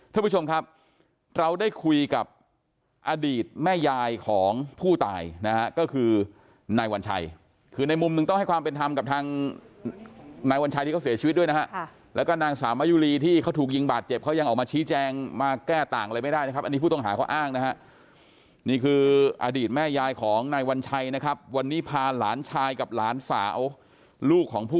ท่านผู้ชมครับเราได้คุยกับอดีตแม่ยายของผู้ตายนะฮะก็คือนายวัญชัยคือในมุมหนึ่งต้องให้ความเป็นธรรมกับทางนายวัญชัยที่เขาเสียชีวิตด้วยนะฮะแล้วก็นางสาวมายุรีที่เขาถูกยิงบาดเจ็บเขายังออกมาชี้แจงมาแก้ต่างอะไรไม่ได้นะครับอันนี้ผู้ต้องหาเขาอ้างนะฮะนี่คืออดีตแม่ยายของนายวัญชัยนะครับวันนี้พาหลานชายกับหลานสาวลูกของผู้